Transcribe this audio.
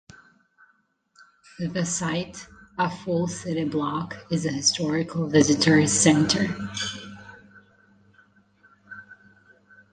The site, a full city block, is a historical visitor's center.